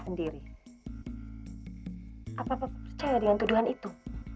apa bapak percaya dengan tuduhan itu